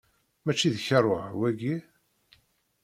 Mačči d karuh, wagi?